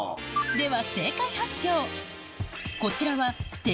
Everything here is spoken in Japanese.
では正解発表